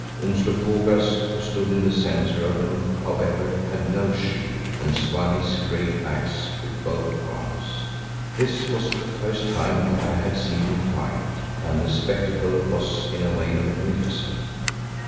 Umslopogaas, who stood in the centre of them, however, had no shield and swung his great axe with both arms. This was the first time that I had seen him fight and the spectacle was in a way magnificent.